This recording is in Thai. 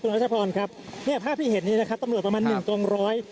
ครับช้าพรวิจัยนี้นะครับตำรวจประมาณหนึ่งตรงร้อย